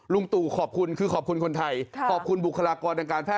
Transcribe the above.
ตู่ขอบคุณคือขอบคุณคนไทยขอบคุณบุคลากรทางการแพท